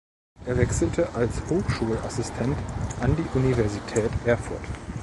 Er wechselte als Hochschulassistent an die Universität Erfurt.